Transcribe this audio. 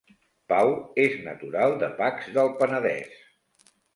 Pau és natural de Pacs del Penedès